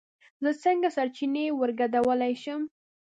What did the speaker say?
زه څنگه سرچينې ورگډولی شم